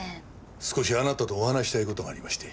少しあなたとお話ししたい事がありまして。